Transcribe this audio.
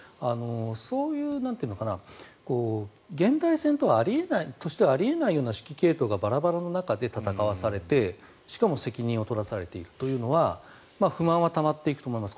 そういう現代戦としてはあり得ないような指揮系統がバラバラの中で戦わされてしかも責任を取らされているのは不満がたまっていくと思います。